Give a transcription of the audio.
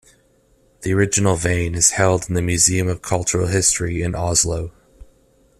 The original vane is held in the Museum of Cultural History in Oslo.